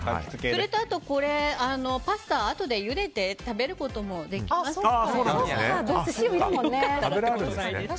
それと、パスタはあとでゆでて食べることもできますので。